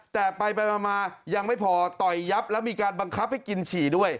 แต่ไปมายังไม่พอต่อยยับแล้วมีการบังคับให้กินฉี่ด้วย